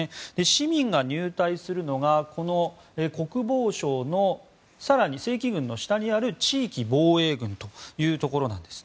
市民が入隊するのが国防省の更に正規軍の下にある地域防衛軍というところなんです。